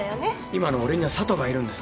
今の俺には佐都がいるんだ。